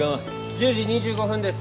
１０時２５分です。